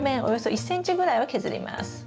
およそ１ｃｍぐらいを削ります。